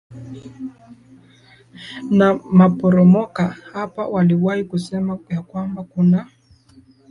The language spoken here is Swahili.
a maporomoka hapo waliwahi kusema kwamba kuna